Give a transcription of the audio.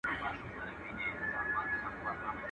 يار دي مي تور جت وي، زما دي اسراحت وي.